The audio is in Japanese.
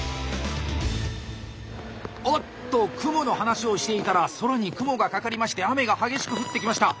おっとクモの話をしていたら空に雲がかかりまして雨が激しく降ってきました。